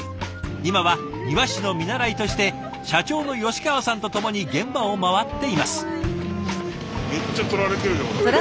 今は庭師の見習いとして社長の吉川さんとともに現場を回っています。